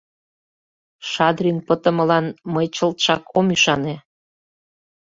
— Шадрин пытымылан мый чылтшак ом ӱшане.